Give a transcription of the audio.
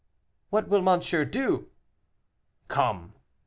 "What will monsieur do?" "Come."